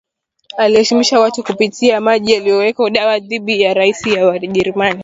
aliyewahamisisha watu kwa kupitia maji aliyoyaweka dawa dhidi ya risasi za Wajerumani